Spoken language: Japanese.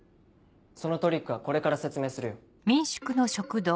そのトリックはこれから説明するよ。